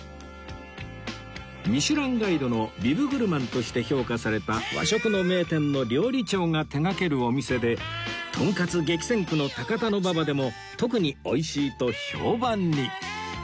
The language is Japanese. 『ミシュランガイド』のビブグルマンとして評価された和食の名店の料理長が手がけるお店でとんかつ激戦区の高田馬場でも特に美味しいと評判に